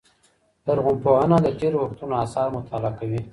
لرغونپوهنه د تېرو وختونو آثار مطالعه کوي.